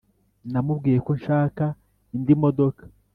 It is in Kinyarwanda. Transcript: namubwiye ko nshaka indi modoka